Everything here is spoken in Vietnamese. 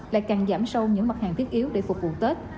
lại càng giảm sâu những mặt hàng thiết yếu để phục vụ tết